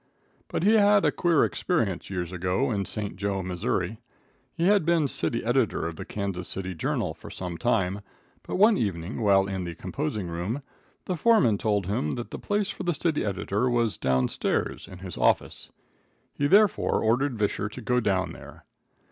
But he had a queer experience years ago, in St. Jo, Missouri. He had been city editor of the Kansas City Journal for some time, but one evening, while in the composing room, the foreman told him that the place for the city editor was down stairs, in his office. He therefore ordered Visscher to go down there.